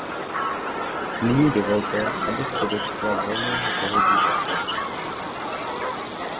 Nyní dovolte, abych se dotkla volného pohybu osob.